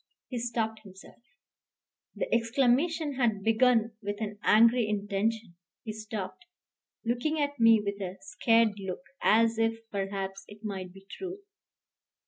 He stopped himself. The exclamation had been begun with an angry intention. He stopped, looking at me with a scared look, as if perhaps it might be true.